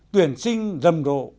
tuyển sinh rầm rộ